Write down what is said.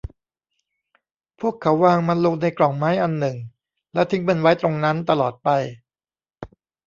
พวกเขาวางมันลงในกล่องไม้อันหนึ่งแล้วทิ้งมันไว้ตรงนั้นตลอดไป